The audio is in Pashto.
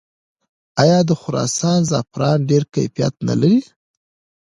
آیا د خراسان زعفران ډیر کیفیت نلري؟